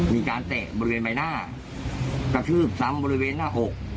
มีการแตะบริเวณใบหน้ากระชืบสำบริเวณหน้าอก